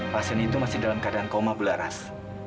pasien itu masih dalam keadaan koma belaras